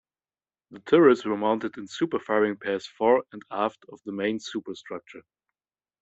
The turrets were mounted in superfiring pairs fore and aft of the main superstructure.